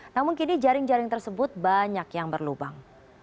namun kini jaring jaring tersebut banyak yang berlubang